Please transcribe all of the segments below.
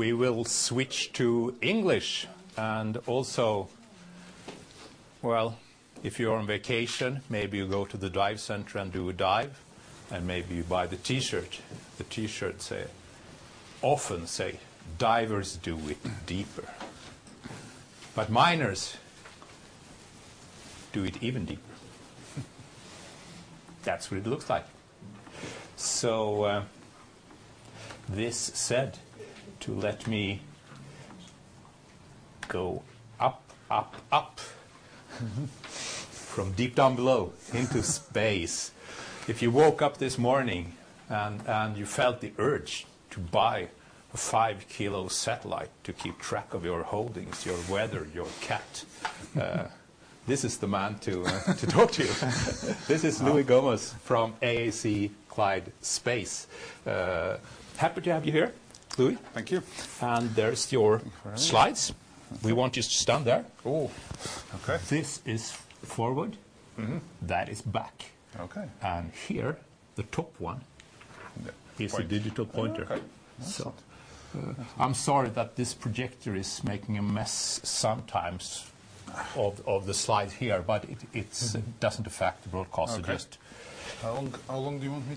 We will switch to English and also... Well, if you're on vacation, maybe you go to the dive center and do a dive, and maybe you buy the T-shirt. The T-shirt often say, "Divers do it deeper, but miners do it even deeper." That's what it looks like. This said, to let me go up, up from deep down below into space. If you woke up this morning and you felt the urge to buy a five-kilo satellite to keep track of your holdings, your weather, your cat, this is the man to talk to. This is Luis Gomes from AAC Clyde Space. Happy to have you here, Luis. Thank you. There's your slides. We want you to stand there. Oh. Okay. This is forward. Mm-hmm. That is back. Okay. Here, the top one is the digital pointer. Okay. Awesome. I'm sorry that this projector is making a mess sometimes of the slide here, but it doesn't affect the broadcast. I just. Okay. How long do you want me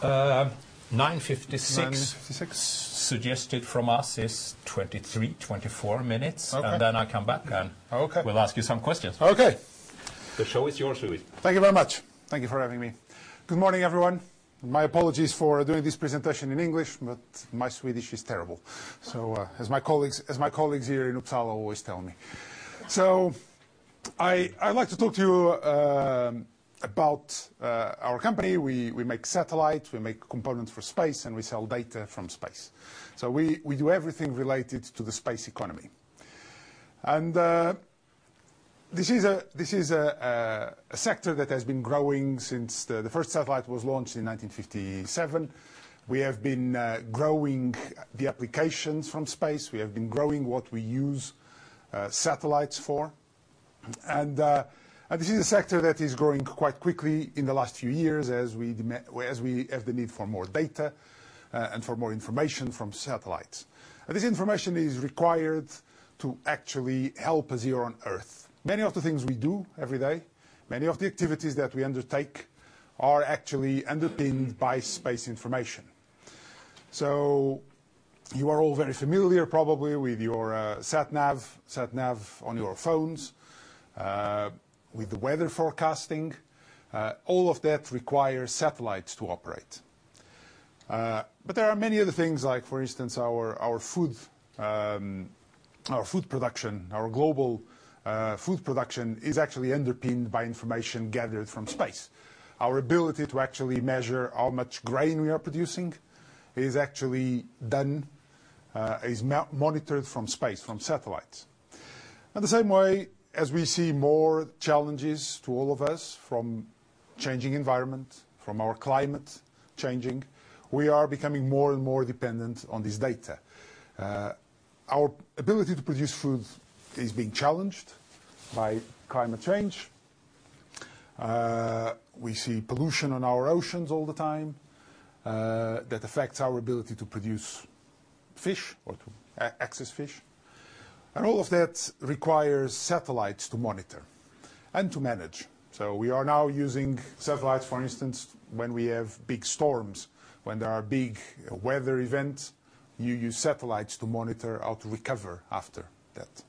to? 9:56. 9:56. Suggested from us is 23, 24 minutes. Okay. I come back. Okay... we'll ask you some questions. Okay. The show is yours, Luis. Thank you very much. Thank you for having me. Good morning, everyone. My apologies for doing this presentation in English, but my Swedish is terrible, so, as my colleagues here in Uppsala always tell me. I'd like to talk to you about our company. We make satellites, we make components for space, and we sell data from space. We do everything related to the space economy. This is a sector that has been growing since the first satellite was launched in 1957. We have been growing the applications from space. We have been growing what we use satellites for. This is a sector that is growing quite quickly in the last few years as we have the need for more data, and for more information from satellites. This information is required to actually help us here on Earth. Many of the things we do every day, many of the activities that we undertake are actually underpinned by space information. You are all very familiar probably with your satnav on your phones, with the weather forecasting. All of that requires satellites to operate. There are many other things like, for instance, our food, our food production. Our global food production is actually underpinned by information gathered from space. Our ability to actually measure how much grain we are producing is actually done, is monitored from space, from satellites. The same way, as we see more challenges to all of us from changing environment, from our climate changing, we are becoming more and more dependent on this data. Our ability to produce food is being challenged by climate change. We see pollution on our oceans all the time, that affects our ability to produce fish or to access fish. All of that requires satellites to monitor and to manage. We are now using satellites, for instance, when we have big storms, when there are big weather events, you use satellites to monitor how to recover after that.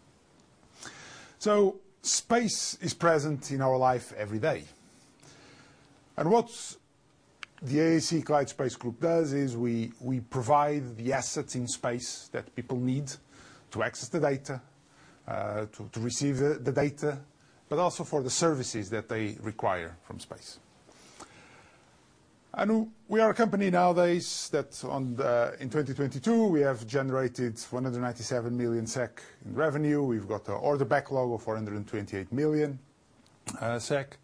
Space is present in our life every day. What the AAC Clyde Space Group does is we provide the assets in space that people need to access the data, to receive the data, but also for the services that they require from space. We are a company nowadays that in 2022, we have generated 197 million SEK in revenue. We've got a order backlog of 428 million SEK.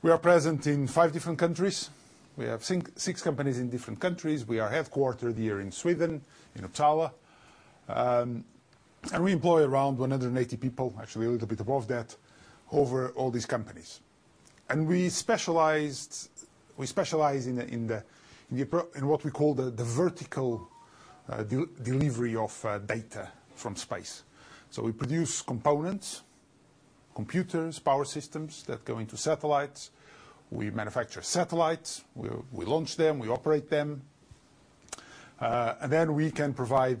We are present in five different countries. We have six companies in different countries. We are headquartered here in Sweden, in Uppsala. We employ around 180 people, actually a little bit above that, over all these companies. We specialize in what we call the vertical delivery of data from space. We produce components, computers, power systems that go into satellites. We manufacture satellites. We launch them, we operate them. We can provide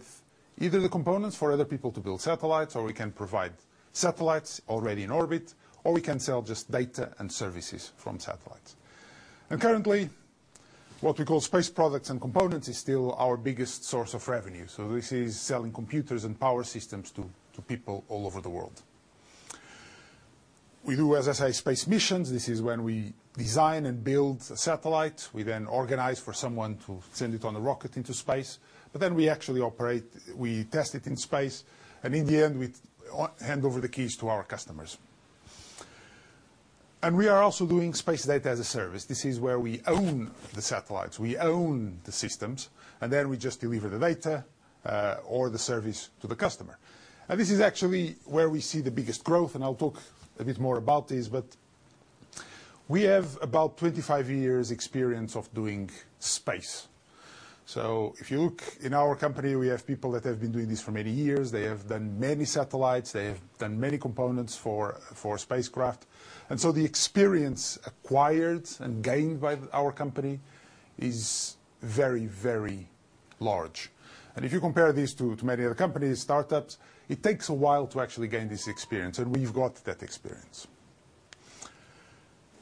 either the components for other people to build satellites, or we can provide satellites already in orbit, or we can sell just data and services from satellites. Currently, what we call space products and components is still our biggest source of revenue. This is selling computers and power systems to people all over the world. We do, as I say, space missions. This is when we design and build a satellite. We then organize for someone to send it on a rocket into space. We actually test it in space. In the end, we hand over the keys to our customers. We are also doing Space Data as a Service. This is where we own the satellites, we own the systems, and then we just deliver the data, or the service to the customer. This is actually where we see the biggest growth. I'll talk a bit more about this. We have about 25 years experience of doing space. If you look in our company, we have people that have been doing this for many years. They have done many satellites, they have done many components for spacecraft. The experience acquired and gained by our company is very, very large. If you compare this to many other companies, startups, it takes a while to actually gain this experience, and we've got that experience.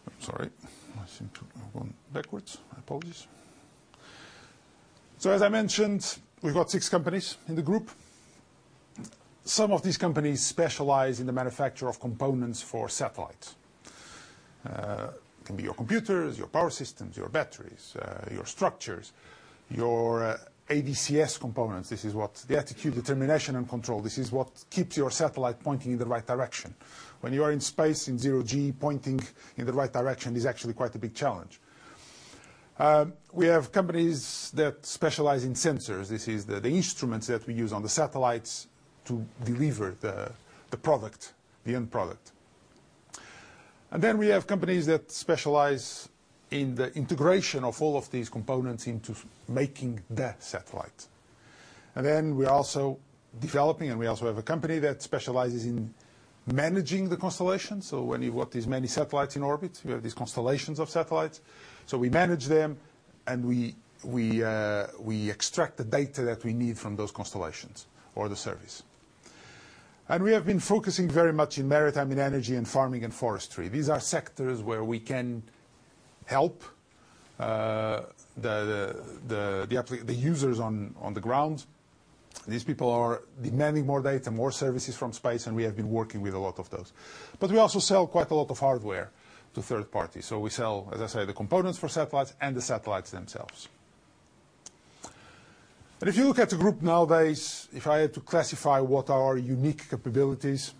I'm sorry, I seem to have gone backwards. I apologize. As I mentioned, we've got 6 companies in the group. Some of these companies specialize in the manufacture of components for satellites. It can be your computers, your power systems, your batteries, your structures, your ADCS components. This is what the attitude determination and control, this is what keeps your satellite pointing in the right direction. When you are in space in zero G, pointing in the right direction is actually quite a big challenge. We have companies that specialize in sensors. This is the instruments that we use on the satellites to deliver the product, the end product. Then we have companies that specialize in the integration of all of these components into making the satellite. Then we're also developing and we also have a company that specializes in managing the constellation. When you've got these many satellites in orbit, we have these constellations of satellites. We manage them and we extract the data that we need from those constellations or the service. We have been focusing very much in maritime and energy and farming and forestry. These are sectors where we can help the users on the ground. These people are demanding more data, more services from space, and we have been working with a lot of those. We also sell quite a lot of hardware to third parties. We sell, as I say, the components for satellites and the satellites themselves. If you look at the group nowadays, if I had to classify what are our unique capabilities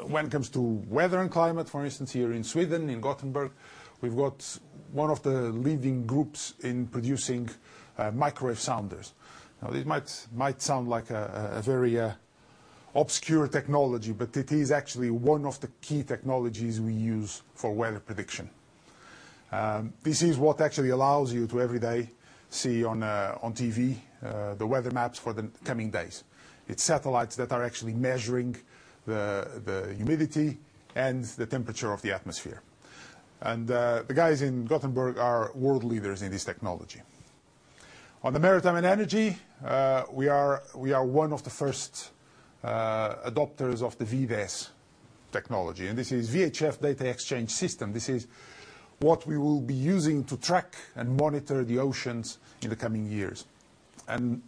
when it comes to weather and climate, for instance, here in Sweden, in Gothenburg, we've got one of the leading groups in producing microwave sounders. Now, this might sound like a very obscure technology, but it is actually one of the key technologies we use for weather prediction. This is what actually allows you to every day see on TV the weather maps for the coming days. It's satellites that are actually measuring the humidity and the temperature of the atmosphere. The guys in Gothenburg are world leaders in this technology. On the maritime and energy, we are one of the first adopters of the VDES technology, and this is VHF Data Exchange System. This is what we will be using to track and monitor the oceans in the coming years.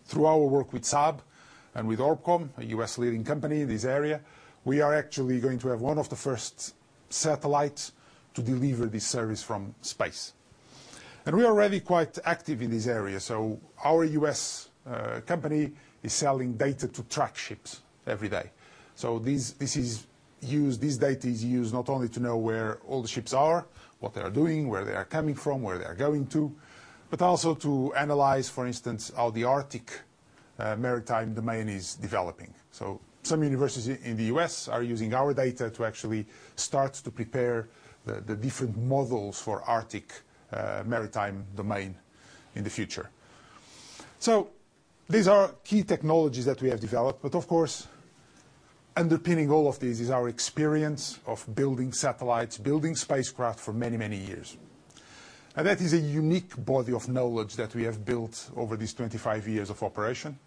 Through our work with Saab and with ORBCOMM, a U.S. leading company in this area, we are actually going to have one of the first satellites to deliver this service from space. We are already quite active in this area. Our U.S. company is selling data to track ships every day. This data is used not only to know where all the ships are, what they are doing, where they are coming from, where they are going to, but also to analyze, for instance, how the Arctic maritime domain is developing. Some universities in the U.S. are using our data to actually start to prepare the different models for Arctic maritime domain in the future. These are key technologies that we have developed, but of course, underpinning all of this is our experience of building satellites, building spacecraft for many, many years. And that is a unique body of knowledge that we have built over these 25 years of operation.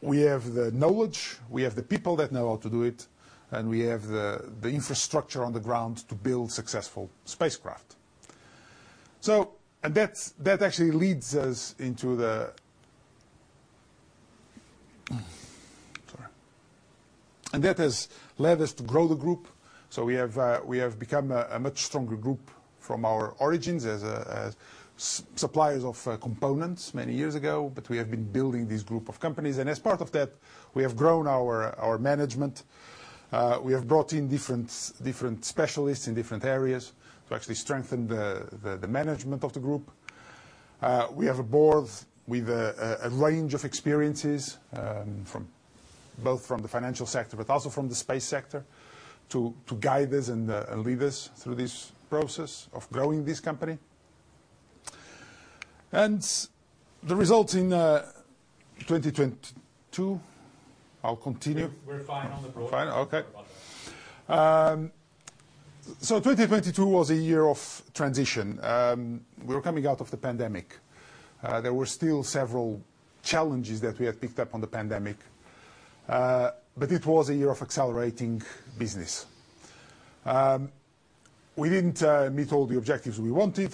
We have the knowledge, we have the people that know how to do it, and we have the infrastructure on the ground to build successful spacecraft. That has led us to grow the group. We have become a much stronger group from our origins as suppliers of components many years ago, but we have been building this group of companies. As part of that, we have grown our management. We have brought in different specialists in different areas to actually strengthen the management of the group. We have a board with a range of experiences, both from the financial sector but also from the space sector, to guide us and lead us through this process of growing this company. The results in 2022. I'll continue. We're fine on the board. Fine. Okay. No problem. 2022 was a year of transition. We were coming out of the pandemic. There were still several challenges that we had picked up on the pandemic, but it was a year of accelerating business. We didn't meet all the objectives we wanted,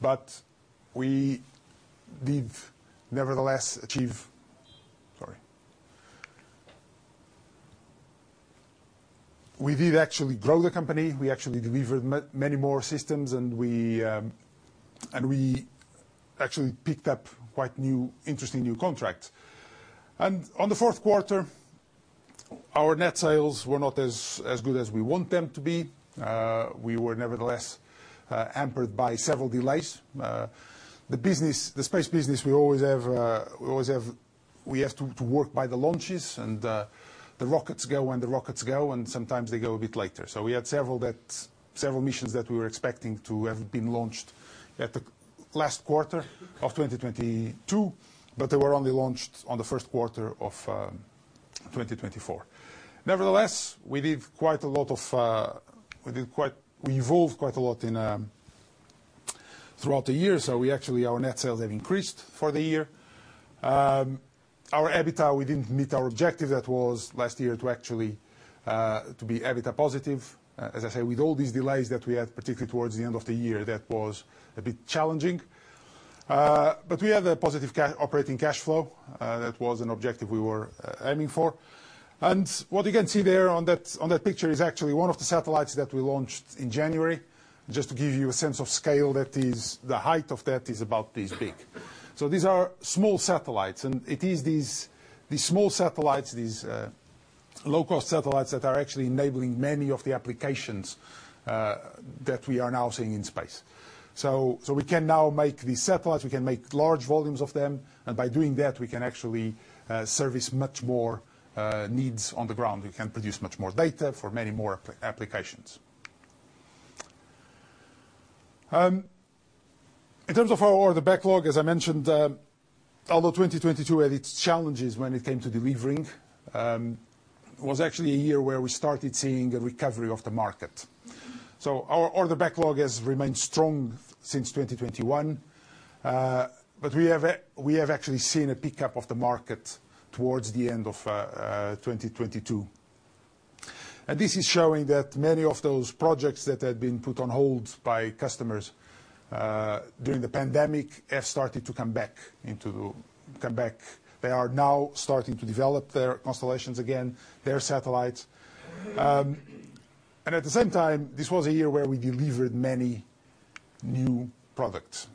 but we did nevertheless actually grow the company. We actually delivered many more systems, and we actually picked up quite interesting new contracts. On the fourth quarter, our net sales were not as good as we want them to be. We were nevertheless hampered by several delays. The space business, we always have to work by the launches, and the rockets go when the rockets go, and sometimes they go a bit later. We had several missions that we were expecting to have been launched at the last quarter of 2022, but they were only launched on the first quarter of 2024. Nevertheless, we did quite a lot of. We evolved quite a lot in throughout the year, so we actually, our net sales have increased for the year. Our EBITDA, we didn't meet our objective that was last year to actually to be EBITDA positive. As I say, with all these delays that we had, particularly towards the end of the year, that was a bit challenging. But we had a positive operating cash flow. That was an objective we were aiming for. What you can see there on that, on that picture is actually one of the satellites that we launched in January. Just to give you a sense of scale, that is, the height of that is about this big. These are small satellites, and it is these small satellites, these low-cost satellites that are actually enabling many of the applications that we are now seeing in space. We can now make these satellites, we can make large volumes of them, and by doing that, we can actually service much more needs on the ground. We can produce much more data for many more applications. In terms of our order backlog, as I mentioned, although 2022 had its challenges when it came to delivering, it was actually a year where we started seeing a recovery of the market. Our order backlog has remained strong since 2021, but we have actually seen a pickup of the market towards the end of 2022. This is showing that many of those projects that had been put on hold by customers during the pandemic have started to come back. They are now starting to develop their constellations again, their satellites. At the same time, this was a year where we delivered many new products.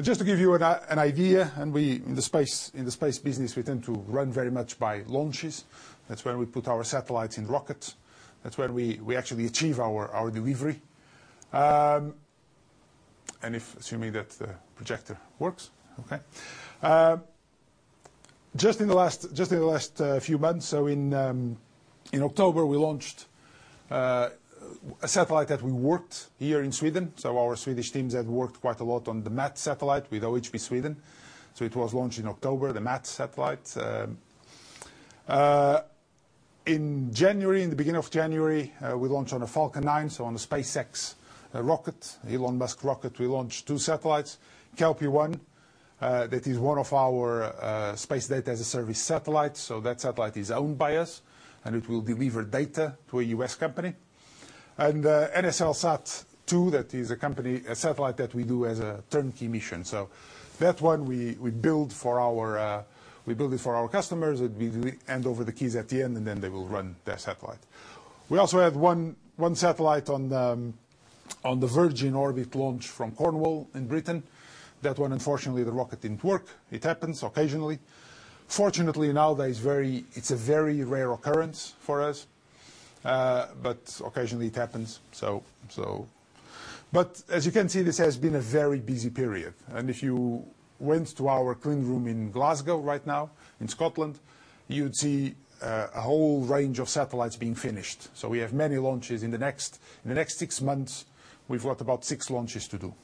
Just to give you an idea, and we, in the space business, we tend to run very much by launches. That's where we put our satellites in rockets. That's where we actually achieve our delivery. If, assuming that the projector works. Okay. just in the last few months, in October, we launched a satellite that we worked here in Sweden. Our Swedish teams have worked quite a lot on the MAT satellite with OHB Sweden. It was launched in October, the MAT satellite. In January, in the beginning of January, we launched on a Falcon 9, so on a SpaceX rocket, Elon Musk rocket. We launched two satellites. Kelpie-1, that is one of our Space Data as a Service satellite. That satellite is owned by us, and it will deliver data to a U.S. company. NSLSat-2, that is a company, a satellite that we do as a turnkey mission. That one we build for our customers, and we hand over the keys at the end, and then they will run their satellite. We also had one satellite on the Virgin Orbit launch from Cornwall in Britain. That one, unfortunately, the rocket didn't work. It happens occasionally. Fortunately, nowadays, it's a very rare occurrence for us. Occasionally it happens. As you can see, this has been a very busy period. If you went to our clean room in Glasgow right now, in Scotland, you'd see a whole range of satellites being finished. We have many launches in the next six months, we've got about six launches to do.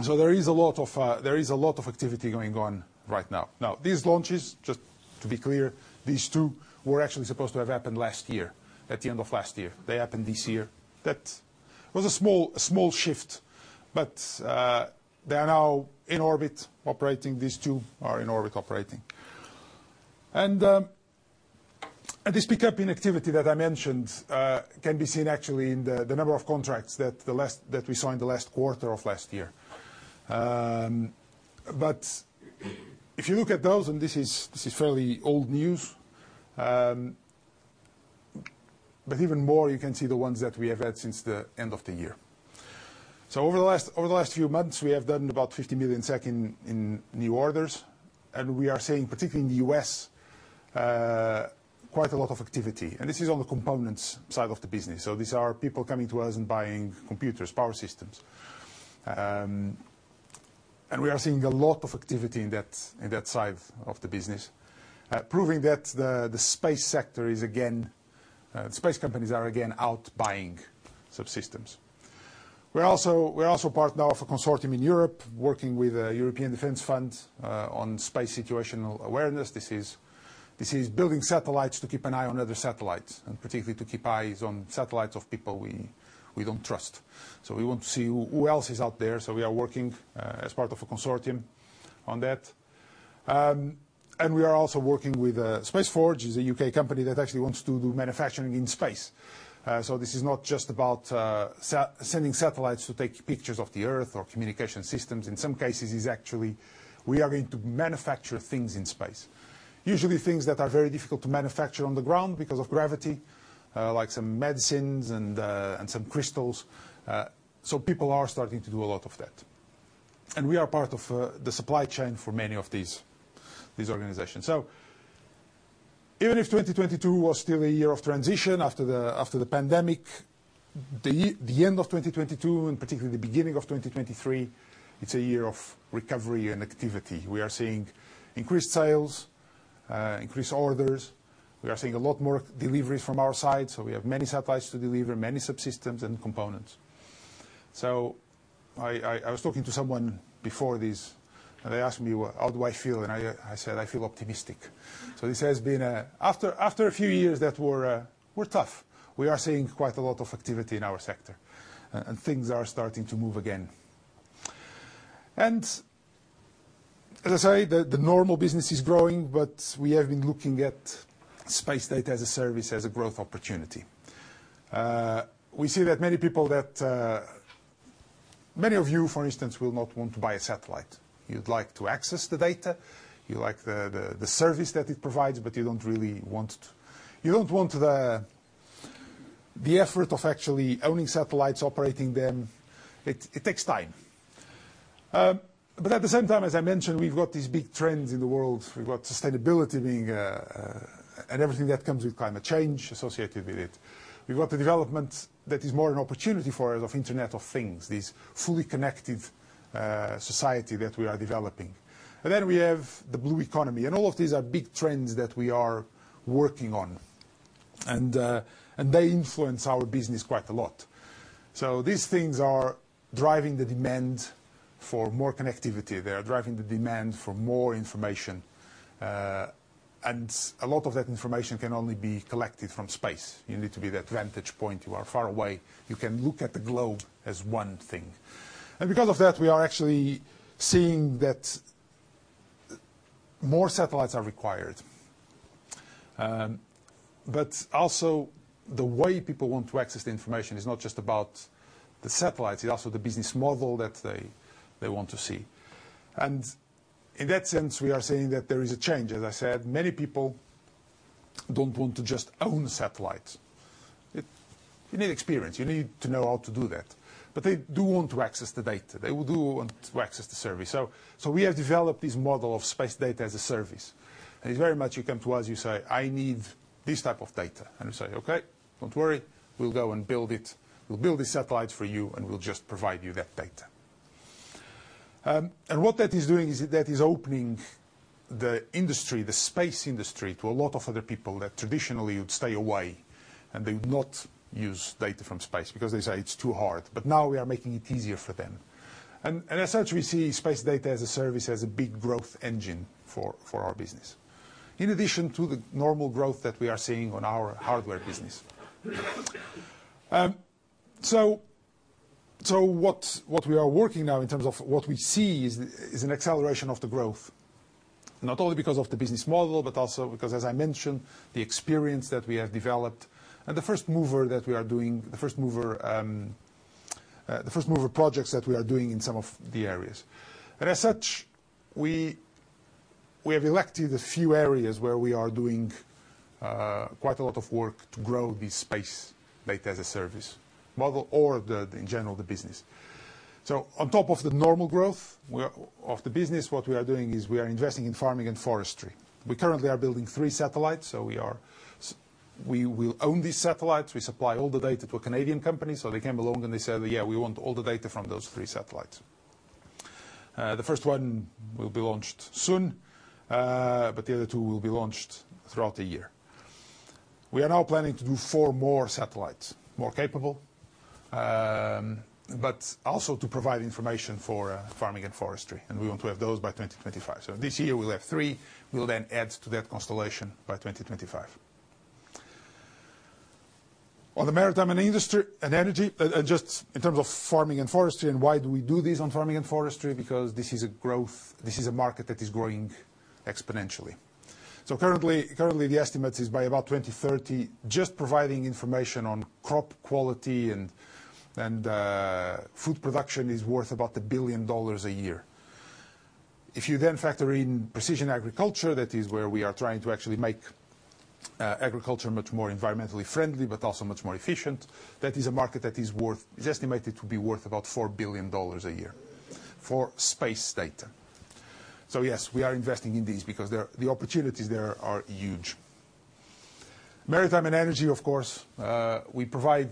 There is a lot of activity going on right now. These launches, just to be clear, these two were actually supposed to have happened last year, at the end of last year. They happened this year. That was a small shift. They are now in orbit operating. These two are in orbit operating. This pickup in activity that I mentioned, can be seen actually in the number of contracts that we saw in the last quarter of last year. If you look at those, and this is fairly old news, but even more, you can see the ones that we have had since the end of the year. Over the last, over the last few months, we have done about 50 million in new orders, and we are seeing, particularly in the U.S., quite a lot of activity. This is on the components side of the business. These are people coming to us and buying computers, power systems. We are seeing a lot of activity in that, in that side of the business, proving that the space sector is again, space companies are again out buying subsystems. We're also part now of a consortium in Europe working with a European Defence Fund, on space situational awareness. This is building satellites to keep an eye on other satellites, and particularly to keep eyes on satellites of people we don't trust. We want to see who else is out there. We are working as part of a consortium on that. We are also working with Space Forge is a UK company that actually wants to do manufacturing in space. This is not just about sending satellites to take pictures of the Earth or communication systems. In some cases, it's actually we are going to manufacture things in space. Usually, things that are very difficult to manufacture on the ground because of gravity, like some medicines and some crystals. People are starting to do a lot of that. We are part of the supply chain for many of these organizations. Even if 2022 was still a year of transition after the pandemic, the end of 2022 and particularly the beginning of 2023, it's a year of recovery and activity. We are seeing increased sales, increased orders. We are seeing a lot more deliveries from our side. We have many satellites to deliver, many subsystems and components. I was talking to someone before this, and they asked me how do I feel, and I said, "I feel optimistic." This has been after a few years that were tough, we are seeing quite a lot of activity in our sector, and things are starting to move again. As I say, the normal business is growing, but we have been looking at Space Data as a Service, as a growth opportunity. We see that many people that, many of you, for instance, will not want to buy a satellite. You'd like to access the data. You like the service that it provides, but you don't want the effort of actually owning satellites, operating them. It takes time. At the same time, as I mentioned, we've got these big trends in the world. We've got sustainability being and everything that comes with climate change associated with it. We've got the development that is more an opportunity for us of Internet of Things, this fully connected society that we are developing. We have the blue economy. All of these are big trends that we are working on, and they influence our business quite a lot. These things are driving the demand for more connectivity. They are driving the demand for more information, a lot of that information can only be collected from space. You need to be that vantage point. You are far away. You can look at the globe as one thing. Because of that, we are actually seeing that more satellites are required. Also the way people want to access the information is not just about the satellites. It's also the business model that they want to see. In that sense, we are seeing that there is a change. As I said, many people don't want to just own satellites. You need experience. You need to know how to do that. They do want to access the data. They will do want to access the service. We have developed this model of Space Data as a Service. It's very much you come to us, you say, "I need this type of data." We say, "Okay, don't worry. We'll go and build it. We'll build the satellite for you, and we'll just provide you that data." What that is doing is that is opening the industry, the space industry, to a lot of other people that traditionally would stay away, and they would not use data from space because they say it's too hard. Now we are making it easier for them. As such, we see Space Data as a Service, as a big growth engine for our business, in addition to the normal growth that we are seeing on our hardware business. What we are working now in terms of what we see is an acceleration of the growth, not only because of the business model, but also because, as I mentioned, the experience that we have developed and the first mover projects that we are doing in some of the areas. As such, we have elected a few areas where we are doing quite a lot of work to grow the Space Data as a Service model or the, in general, the business. On top of the normal growth of the business, what we are doing is we are investing in farming and forestry. We currently are building 3 satellites, so we will own these satellites. We supply all the data to a Canadian company. They came along and they said, "Yeah, we want all the data from those 3 satellites." The 1st one will be launched soon, but the other 2 will be launched throughout the year. We are now planning to do 4 more satellites, more capable, but also to provide information for farming and forestry, and we want to have those by 2025. This year we'll have 3. We'll then add to that constellation by 2025. On the maritime and industry and energy, just in terms of farming and forestry and why do we do this on farming and forestry, because this is a market that is growing exponentially. Currently, the estimate is by about 2030, just providing information on crop quality and food production is worth about $1 billion a year. If you then factor in precision agriculture, that is where we are trying to actually make agriculture much more environmentally friendly but also much more efficient, that is a market that is estimated to be worth about $4 billion a year for space data. Yes, we are investing in these because the opportunities there are huge. Maritime and energy, of course, we provide,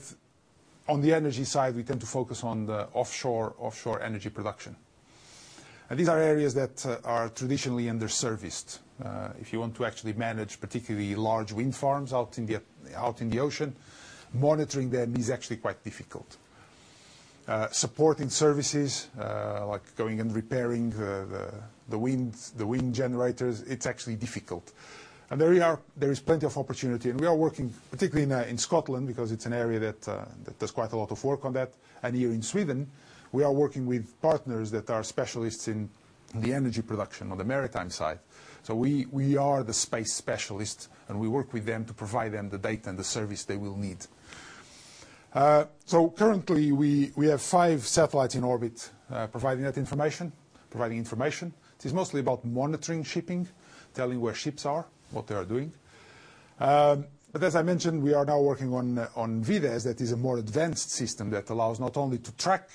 on the energy side, we tend to focus on the offshore energy production. These are areas that are traditionally under-serviced. If you want to actually manage particularly large wind farms out in the ocean, monitoring them is actually quite difficult. Supporting services, like going and repairing the wind generators, it's actually difficult. There is plenty of opportunity. We are working particularly in Scotland because it's an area that does quite a lot of work on that. Here in Sweden, we are working with partners that are specialists in the energy production on the maritime side. We are the space specialists, and we work with them to provide them the data and the service they will need. Currently we have five satellites in orbit, providing that information. It is mostly about monitoring shipping, telling where ships are, what they are doing. As I mentioned, we are now working on VDES. That is a more advanced system that allows not only to track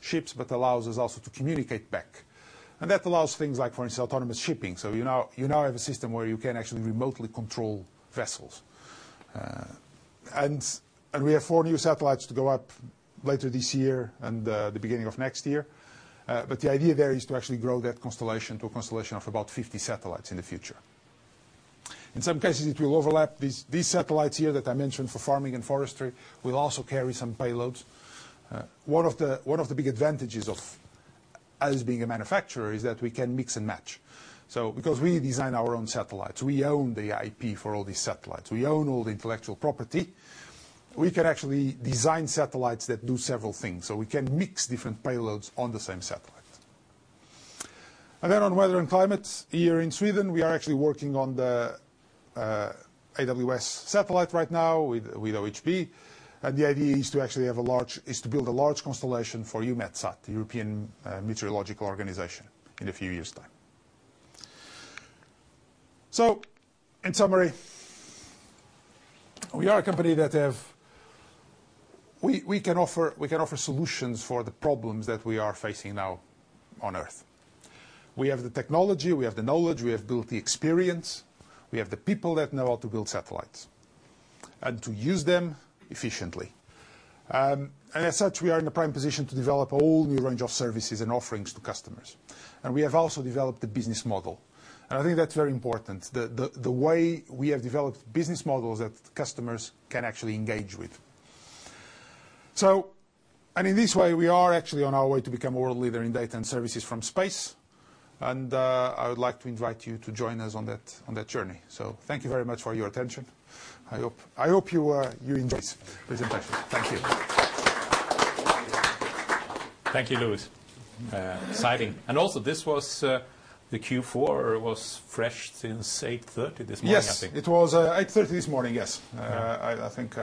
ships but allows us also to communicate back. That allows things like, for instance, autonomous shipping. You now have a system where you can actually remotely control vessels. We have 4 new satellites to go up later this year and the beginning of next year. The idea there is to actually grow that constellation to a constellation of about 50 satellites in the future. In some cases, it will overlap. These satellites here that I mentioned for farming and forestry will also carry some payloads. One of the big advantages of us being a manufacturer is that we can mix and match. Because we design our own satellites, we own the IP for all these satellites. We own all the intellectual property. We can actually design satellites that do several things. We can mix different payloads on the same satellite. On weather and climate, here in Sweden, we are actually working on the AWS satellite right now with OHB, and the idea is to actually build a large constellation for EUMETSAT, the European Meteorological Organization, in a few years' time. In summary, we are a company that we can offer solutions for the problems that we are facing now on Earth. We have the technology, we have the knowledge, we have built the experience, we have the people that know how to build satellites and to use them efficiently. As such, we are in a prime position to develop a whole new range of services and offerings to customers. We have also developed a business model. I think that's very important, the way we have developed business models that customers can actually engage with. In this way, we are actually on our way to become a world leader in data and services from space, I would like to invite you to join us on that journey. Thank you very much for your attention. I hope you enjoyed this presentation. Thank you. Thank you, Luis. Exciting. This was the Q4 was fresh since 8:30 A.M. this morning, I think. Yes, it was 8:30 this morning, yes. I think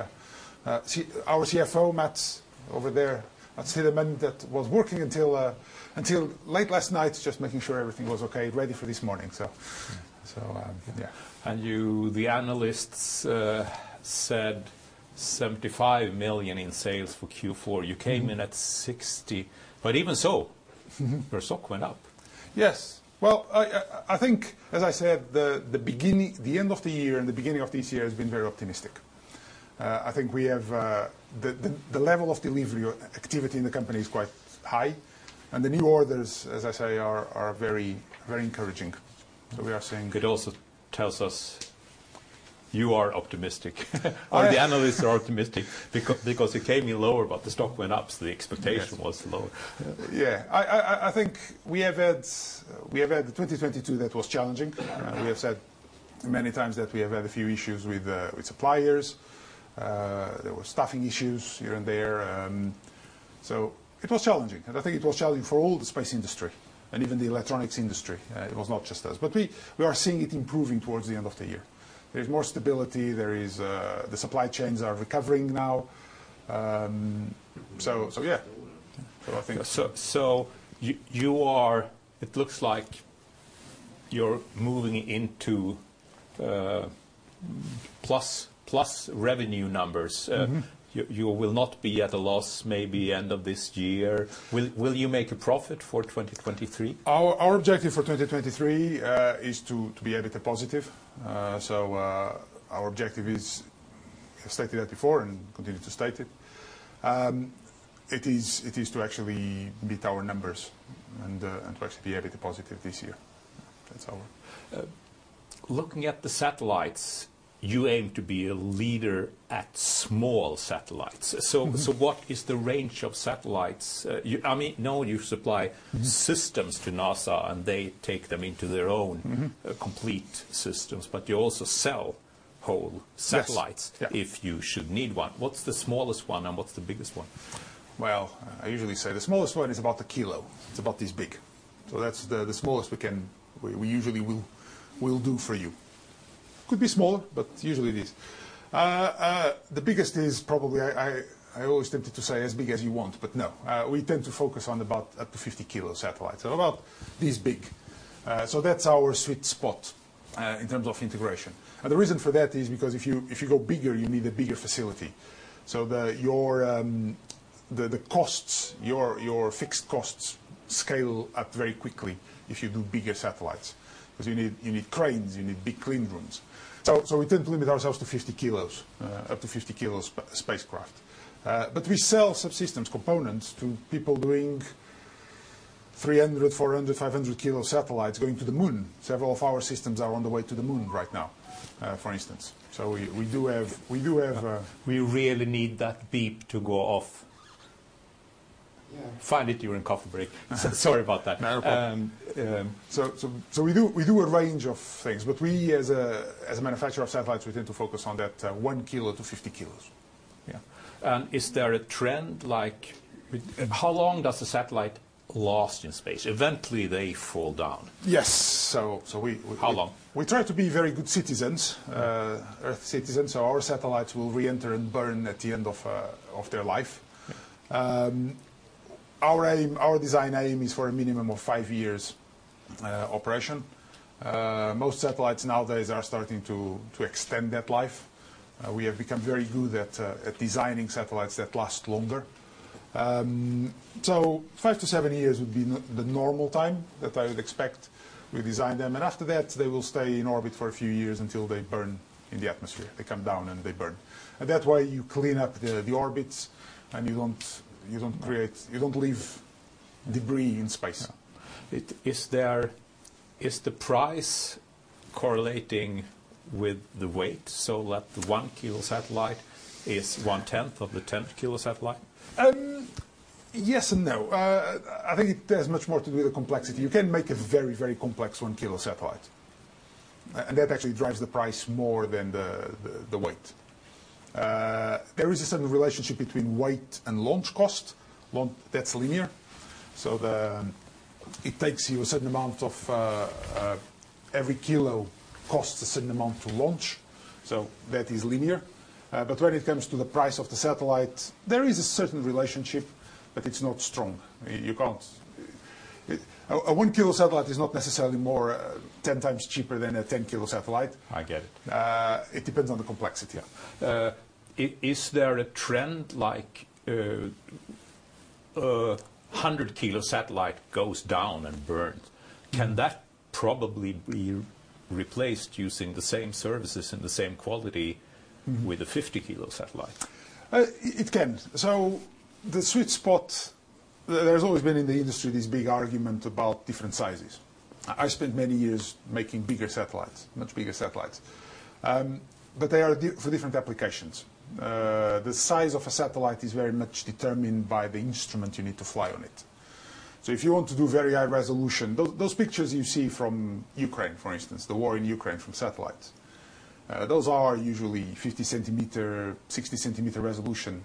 our CFO, Mats, over there, I'd say the man that was working until late last night just making sure everything was okay, ready for this morning. Yeah. You, the analysts, said 75 million in sales for Q4. You came in at 60. Even so your stock went up. Yes. Well, I think, as I said, the end of the year and the beginning of this year has been very optimistic. I think we have the level of delivery or activity in the company is quite high. The new orders, as I say, are very encouraging. We are seeing. It also tells us you are optimistic. I- The analysts are optimistic because it came in lower, but the stock went up, so the expectation was low. Yes. Yeah. I think we have had 2022 that was challenging. We have said many times that we have had a few issues with suppliers. There were staffing issues here and there. It was challenging. I think it was challenging for all the space industry and even the electronics industry. It was not just us. We are seeing it improving towards the end of the year. There's more stability, there is the supply chains are recovering now. Yeah. I think. You are it looks like you're moving into plus revenue numbers. Mm-hmm. You will not be at a loss maybe end of this year. Will you make a profit for 2023? Our objective for 2023 is to be a bit positive. Our objective is, I've stated that before and continue to state it is to actually beat our numbers and to actually be a bit positive this year. That's our... Looking at the satellites, you aim to be a leader at small satellites. Mm-hmm. What is the range of satellites? I mean, knowing you supply systems to NASA, and they take them into their own... Mm-hmm ...complete systems, but you also sell whole satellites. Yes. Yeah. ...if you should need one. What's the smallest one and what's the biggest one? Well, I usually say the smallest one is about a kilo. It's about this big. That's the smallest we usually will do for you. Could be smaller, but usually it is. The biggest is probably I always tempted to say as big as you want, but no. We tend to focus on about up to 50 kilo satellites, so about this big. That's our sweet spot in terms of integration. The reason for that is because if you go bigger, you need a bigger facility. Your costs, your fixed costs scale up very quickly if you do bigger satellites because you need cranes, you need big clean rooms. We tend to limit ourselves to 50 kilos, up to 50 kilos spacecraft. We sell subsystems, components to people doing 300, 400, 500 kilo satellites going to the moon. Several of our systems are on the way to the moon right now, for instance. We do have. We really need that beep to go off. Yeah. Find it during coffee break. Sorry about that. No problem. Um, um- We do a range of things, but we as a, as a manufacturer of satellites, we tend to focus on that, 1 kilo-50 kilos. Yeah. Is there a trend like... How long does the satellite last in space? Eventually, they fall down. Yes. We How long? We try to be very good citizens, Earth citizens, so our satellites will reenter and burn at the end of their life. Our aim, our design aim is for a minimum of five years operation. Most satellites nowadays are starting to extend that life. We have become very good at designing satellites that last longer. Five to seven years would be the normal time that I would expect we design them, and after that they will stay in orbit for a few years until they burn in the atmosphere. They come down, and they burn. That's why you clean up the orbits, and you don't create, you don't leave debris in space. Yeah. Is the price correlating with the weight, so that the one kilo satellite is one-tenth of the 10 kilo satellite? Yes and no. I think it has much more to do with the complexity. You can make a very complex 1 kilo satellite and that actually drives the price more than the weight. There is a certain relationship between weight and launch cost. That's linear. It takes you a certain amount of. Every kilo costs a certain amount to launch, so that is linear. When it comes to the price of the satellite, there is a certain relationship, but it's not strong. You can't. A 1 kilo satellite is not necessarily more 10 times cheaper than a 10 kilo satellite. I get it. It depends on the complexity. Yeah. Is there a trend like, a 100 kilo satellite goes down and burns? Mm-hmm. Can that probably be replaced using the same services and the same quality? Mm-hmm ...with a 50 kilo satellite? It, it can. The sweet spot... There's always been in the industry this big argument about different sizes. I spent many years making bigger satellites, much bigger satellites, but they are for different applications. The size of a satellite is very much determined by the instrument you need to fly on it. If you want to do very high resolution, those pictures you see from Ukraine, for instance, the war in Ukraine from satellites, those are usually 50 centimeter, 60 centimeter resolution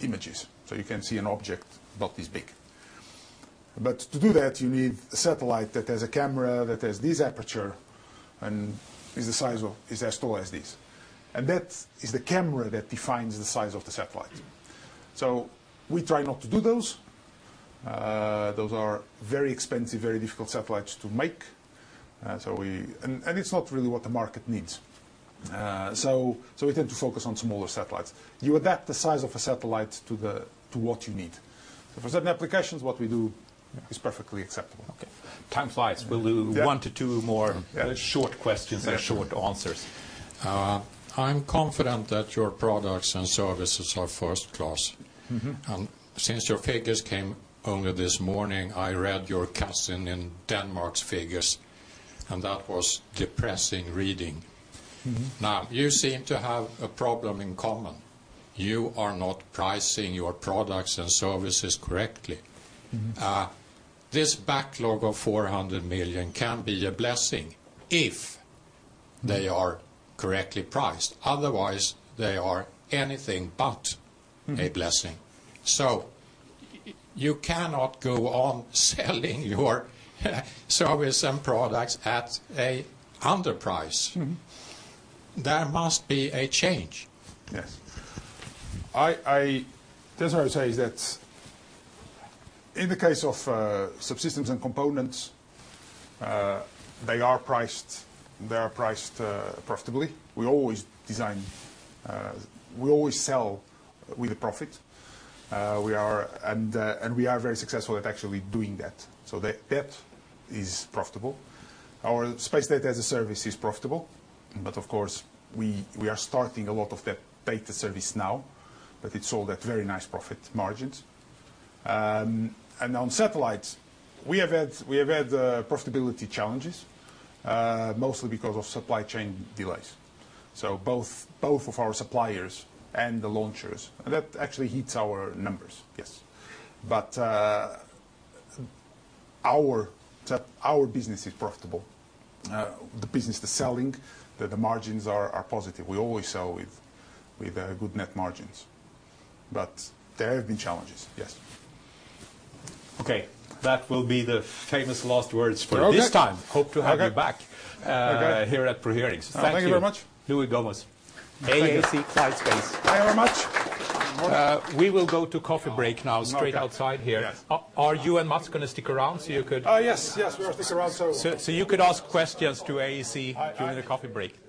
images, so you can see an object about this big. But to do that, you need a satellite that has a camera that has this aperture and is as tall as this. That is the camera that defines the size of the satellite. We try not to do those. Those are very expensive, very difficult satellites to make. It's not really what the market needs. We tend to focus on smaller satellites. You adapt the size of a satellite to what you need. For certain applications, what we do is perfectly acceptable. Okay. Time flies. Yeah. We'll do one to two more. Yeah short questions and short answers. Yeah, sure. I'm confident that your products and services are first class. Mm-hmm. Since your figures came only this morning, I read your cousin in Denmark's figures, and that was depressing reading. Mm-hmm. Now, you seem to have a problem in common. You are not pricing your products and services correctly. Mm-hmm. This backlog of 400 million can be a blessing if they are correctly priced. Otherwise, they are anything but a blessing. Mm-hmm. You cannot go on selling your service and products at a underprice. Mm-hmm. There must be a change. Yes. I would say is that in the case of subsystems and components, they are priced profitably. We always sell with a profit. We are very successful at actually doing that. That is profitable. Our Space Data as a Service is profitable, but of course, we are starting a lot of that data service now, it's all at very nice profit margins. On satellites, we have had profitability challenges, mostly because of supply chain delays, so both of our suppliers and the launchers. That actually hits our numbers. Yes. Our business is profitable. The business, the selling, the margins are positive. We always sell with good net margins. There have been challenges, yes. Okay. That will be the famous last words for this time. Okay. Hope to have you back. Okay here at ProHearings. Thank you. Thank you very much. Luis Gomes. Thank you. AAC Clyde Space. Thank you very much. We will go to coffee break now straight outside here. Okay. Yes. Are you and Mats gonna stick around, so you could... Yes, we will stick around. You could ask questions to AAC during the coffee break.